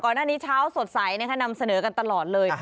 เช้านี้เช้าสดใสนำเสนอกันตลอดเลย